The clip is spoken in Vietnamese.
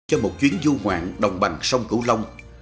cho một chuyến du ngoạn đồng bằng sông cửu long